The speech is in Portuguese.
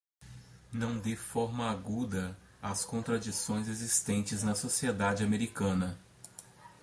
não vê de forma aguda as contradições existentes na sociedade americana